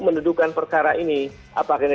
mendudukan perkara ini apakah ini